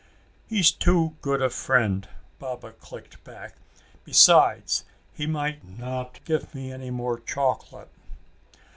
"He's too good a friend," Baba clicked back. "Besides he might not give me any more chocolate."